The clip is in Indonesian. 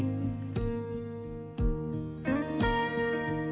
pembangunan lepuk kedulikan